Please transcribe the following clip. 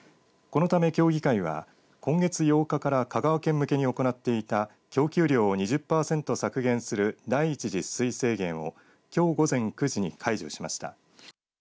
このため協議会は今月８日から香川県向けに行っていた供給量を２０パーセント削減する第１次取水制限をきょう午前９時に解除しました。